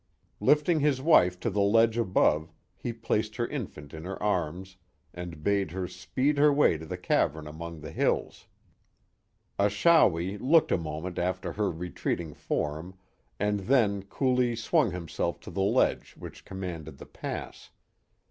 Lifting his wife to the ledge above, he placed her infant in her arms, and bade her speed her way to the cavern among the hills. Achawi looked a mo ment after her retreating form, and then coolly swung himself to the ledge which commanded the pass.